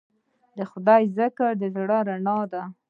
د خدای ذکر د زړه رڼا ده.